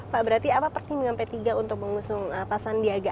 pak berarti apa pertimbangan p tiga untuk mengusung pak sandiaga